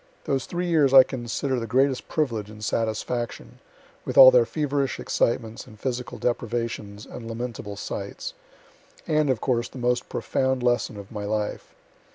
Those three years I consider the greatest privilege and satisfaction, (with all their feverish excitements and physical deprivations and lamentable sights,) and, of course, the most profound lesson of my life.